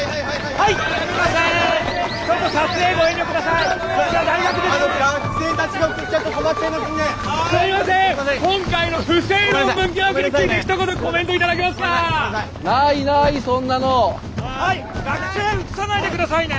はい学生映さないでくださいね！